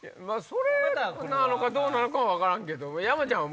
それなのかどうかは分からんけど山ちゃん